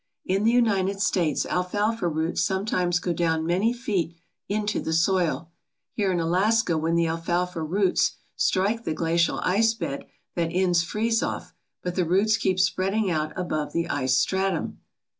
In the United States alfalfa roots sometimes go down many feet into the soil. Here in Alaska when the alfalfa roots strike the glacial ice bed the ends freeze off but the roots keep spreading out above the ice stratum.